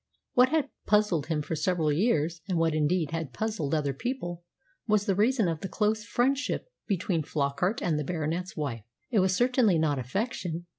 What had puzzled him for several years, and what, indeed, had puzzled other people, was the reason of the close friendship between Flockart and the Baronet's wife. It was certainly not affection.